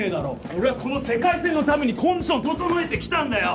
俺はこの世界戦のためにコンディション整えてきたんだよ！